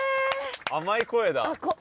甘い声だ。